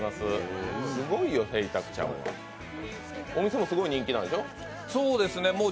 お店もすごい人気なんでしょう？